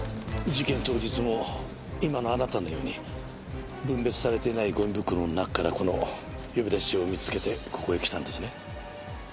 事件当日も今のあなたのように分別されていないゴミ袋の中からこの呼び出し状を見つけてここへ来たんですね？